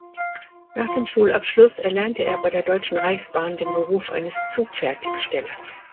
Nach dem Schulabschluss erlernte er bei der Deutschen Reichsbahn den Beruf eines Zugfertigstellers.